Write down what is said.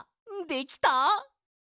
できた！